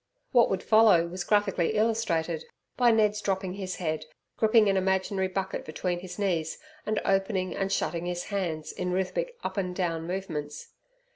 What would follow was graphically illustrated by Ned's dropping his head, gripping an imaginary bucket between his knees, and opening and shutting his hands in rhythmic up and down movements.